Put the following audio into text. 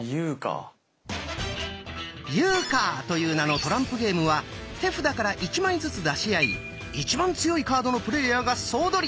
「ユーカー」という名のトランプゲームは手札から１枚ずつ出し合いいちばん強いカードのプレーヤーが総取り。